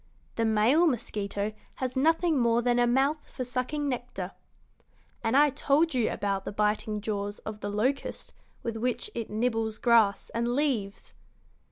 The male mosquito has nothing more than a mouth for sucking nectar. And I told you about the biting jaws of the locust with which it nibbles grass and leaves."